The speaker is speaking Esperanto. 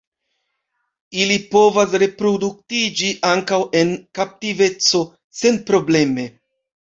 Ili povas reproduktiĝi ankaŭ en kaptiveco senprobleme.